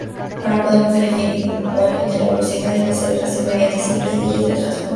Ahora podemos definir igualmente la velocidad y la aceleración mediante simples leyes de transformación.